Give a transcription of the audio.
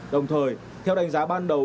đồng thời theo đánh giá ban đầu